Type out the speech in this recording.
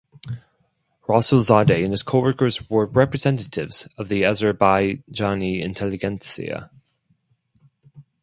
Rasulzade and his co-workers were representatives of the Azerbaijani intelligentsia.